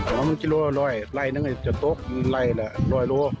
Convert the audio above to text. หัวมันกิโลกรัมรอยไร่นั้นก็จะตกไร่ละรอยโลกรัม